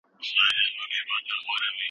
غرمه او بیګاه د دوستانو مېلمستیاوې وي.